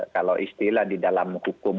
kalau istilah di dalam hukum